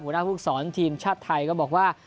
หัวหน้าภูมิสอนทีมชาติไทยก็บอกว่า